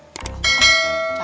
sama kamu juga